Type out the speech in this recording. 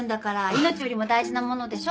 命よりも大事なものでしょ？